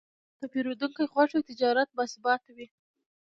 که پیرودونکی خوښ وي، تجارت باثباته وي.